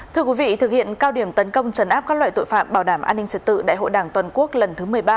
thưa quý vị thực hiện cao điểm tấn công trấn áp các loại tội phạm bảo đảm an ninh trật tự đại hội đảng toàn quốc lần thứ một mươi ba